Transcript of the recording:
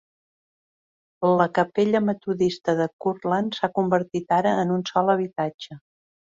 La capella metodista de Curland s'ha convertit ara en un sol habitatge.